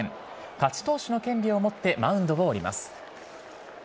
勝ち投手の権利を持ってマウンドを降ります。